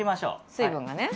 水分がね。